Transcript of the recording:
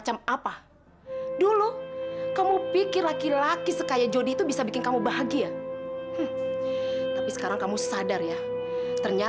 sampai jumpa di video selanjutnya